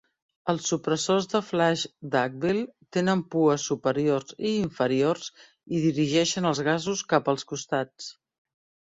Els supressors de flaix Duckbill tenen "pues" superiors i inferiors i dirigeixen els gasos cap als costats.